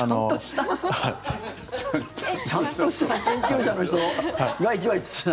ちゃんとした研究者の人が１割って言ってたの？